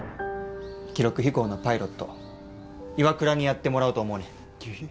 記録飛行のパイロット岩倉にやってもらおうと思うねん。